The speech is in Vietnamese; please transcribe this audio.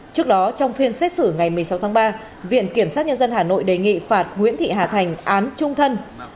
trước đó trong phiên xét xử ngày một mươi sáu tháng ba viện kiểm sát nhân dân hà nội đề nghị phạt nguyễn thị hà thành án trung thân